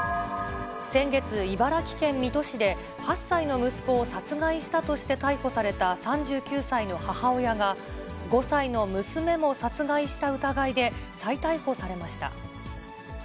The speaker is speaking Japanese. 先月、茨城県水戸市で８歳の息子を殺害したとして逮捕された３９歳の母親が、５歳の娘も殺害した疑いで再逮捕されました。